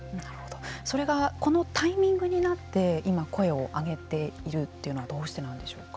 それがこのタイミングになって今、声を上げているというのはどうしてなんでしょうか。